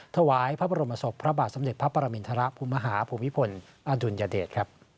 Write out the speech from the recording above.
ถวายพระบรมศพพระบาทสมเด็จพระปรมินทรมาฮภูมิพลอดุลยเดช